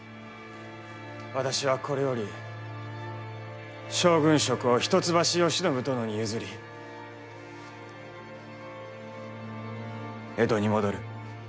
私はこれより将軍職を一橋慶喜殿に譲り江戸に戻る。